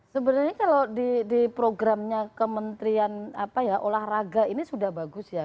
sebenarnya kalau di programnya kementerian olahraga ini sudah bagus ya